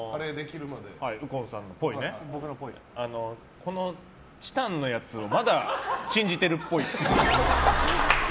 このチタンのやつをまだ信じてるっぽい。